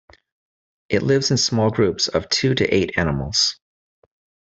It lives in small groups of two to eight animals.